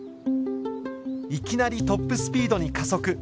いきなりトップスピードに加速。